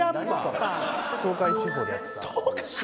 東海地方でやってた。